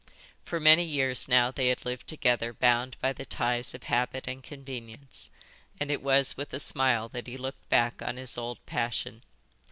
For many years now they had lived together bound by the ties of habit and convenience, and it was with a smile that he looked back on his old passion.